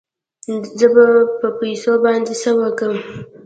زه به په پيسو باندې څه وکم.